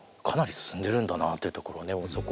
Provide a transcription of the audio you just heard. かなり進んでるんだなあというところをね